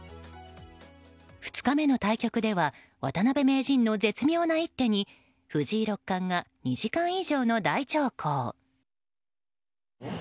２日目の対局では渡辺名人の絶妙な一手に藤井六冠が２時間以上の大長考。